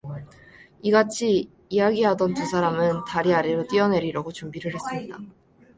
이같이 이야기하던 두 사람은 다리 아래로 뛰어내리려고 준비를 했습니다.